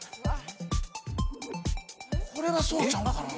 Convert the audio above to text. これがそうちゃうんかな？